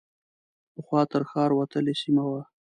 پخوا تر ښار وتلې سیمه وه.